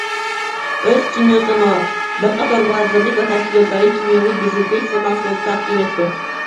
«O‘zkimyosanoat» bir qator vazirlik va tashkilotlarga kimyoviy dezinfeksiya mahsuloti taqdim etdi